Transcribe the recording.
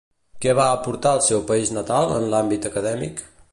Què va aportar al seu país natal, en l'àmbit acadèmic?